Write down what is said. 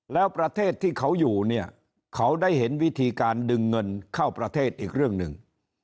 แล้วประเทศที่เขาอยู่เนี่ยเขาได้เห็นวิธีการดึงเงินเข้าประเทศอีกเรื่องหนึ่ง